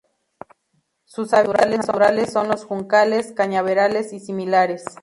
Sus hábitats naturales son los juncales, cañaverales y similares.